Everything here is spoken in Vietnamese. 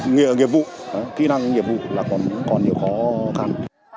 nhiệm vụ kỹ năng nghiệp vụ là còn nhiều khó khăn